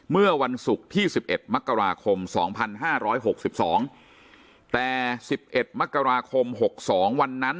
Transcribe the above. เมื่อวันศุกร์ที่๑๑มกราคม๒๕๖๒แต่๑๑มกราคม๖๒วันนั้น